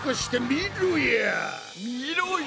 みろや！